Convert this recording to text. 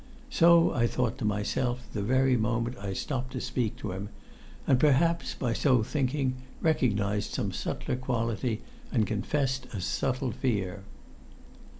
So I thought to myself, the very moment I stopped to speak to him; and perhaps, by so thinking, recognised some subtler quality, and confessed a subtle fear.